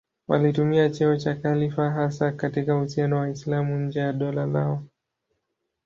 Walitumia cheo cha khalifa hasa katika uhusiano na Waislamu nje ya dola lao.